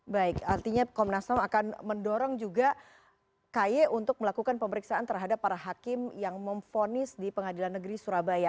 baik artinya komnas ham akan mendorong juga kaye untuk melakukan pemeriksaan terhadap para hakim yang memfonis di pengadilan negeri surabaya